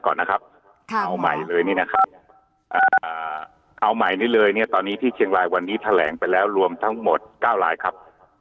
ข้าวใหม่เลยนี่นะครับตอนนี้ที่เชียงรายวันนี้แถลงไปแล้วรวมทั้งหมด๙รายครับ